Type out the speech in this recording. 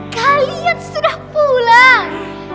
kalian sudah pulang